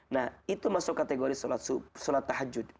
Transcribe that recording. nah itu masuk kategori sholat tahajud